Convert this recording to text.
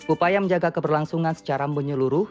upaya menjaga keberlangsungan secara menyeluruh